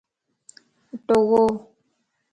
اٽو ڳو